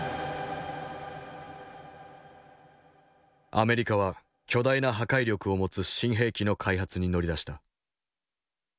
アメリカは巨大な破壊力を持つ新兵器の開発に乗り出した。